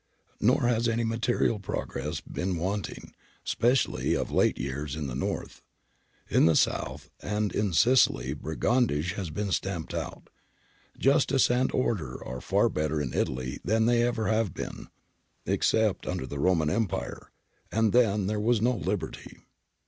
Nor has material progress been wanting, especially of late years and in the North. In the South and in Sicily brigandage has been stamped out. Justice and order are far better in Italy than they have ever been, — except under the Roman Empire, and then there was no liberty.